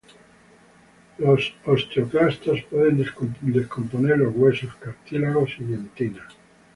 Los osteoclastos pueden descomponer los huesos, cartílagos y dentina.